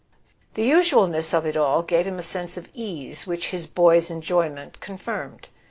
The usualness of it all gave him a sense of ease which his boy's enjoyment confirmed.